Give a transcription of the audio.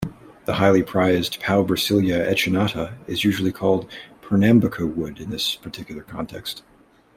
The highly prized "Paubrasilia echinata" is usually called "Pernambuco wood" in this particular context.